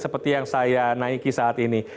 seperti yang saya naiki saat ini